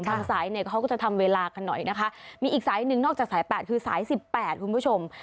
สายเนี่ยเขาก็จะทำเวลากันหน่อยนะคะมีอีกสายหนึ่งนอกจากสายแปดคือสายสิบแปดคุณผู้ชม